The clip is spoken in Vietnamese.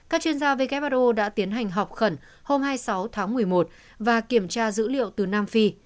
các chuyên gia who đã tiến hành họp khẩn hôm hai mươi sáu tháng một mươi một và kiểm tra dữ liệu từ nam phi